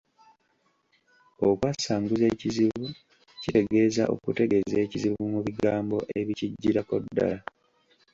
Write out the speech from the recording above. Okwasanguza ekizibu kitegeeza okutegeeza ekizibu mu bigambo ebikijjirayo ddala.